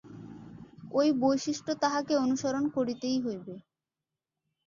ঐ বৈশিষ্ট্য তাহাকে অনুসরণ করিতেই হইবে।